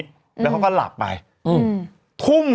ดื่มน้ำก่อนสักนิดใช่ไหมคะคุณพี่